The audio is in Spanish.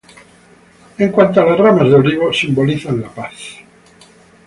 En cuanto a las ramas de olivo, simbolizan la paz.